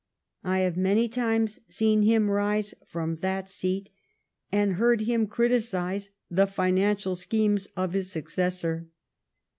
I have many times seen him rise from that seat and heard him criticise the financial schemes of his succes sor.